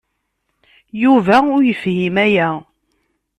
Yuba ur yefhim aya.